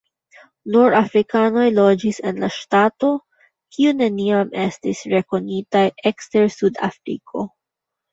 Nur afrikanoj loĝis en la ŝtato, kiu neniam estis rekonitaj ekster Sudafriko.